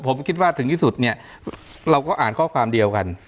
ผมคิดว่าถึงที่สุดเนี่ยเราก็อ่านข้อความเดียวกัน